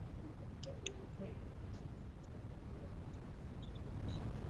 hakikubaliki na hivyo leo tutaainisha